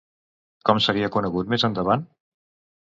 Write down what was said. Com seria conegut més endavant?